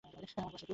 আমার বয়স একুশ।